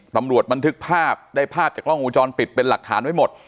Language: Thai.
บันทึกภาพได้ภาพจากกล้องวงจรปิดเป็นหลักฐานไว้หมด